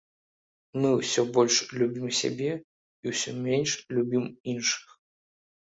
Мы ўсё больш любім сябе, і усё менш любім іншых.